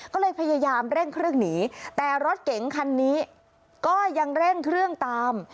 ก็เลยพยายามเร่งเครื่องหนีแต่รถเก๋งคันนี้ก็ยังเร่งเครื่องตาม